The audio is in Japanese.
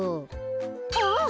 あっ！